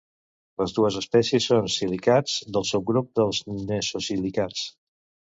Les dues espècies són silicats, del subgrup dels nesosilicats.